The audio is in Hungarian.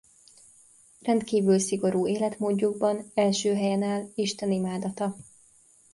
Rendkívül szigorú életmódjukban első helyen áll Isten imádata.